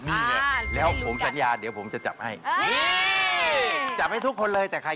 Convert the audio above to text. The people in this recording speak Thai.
ไปแล้วค่ะส่งเข้ามามากยิ่งส่งมากมีสิทธิ์มากค่ะ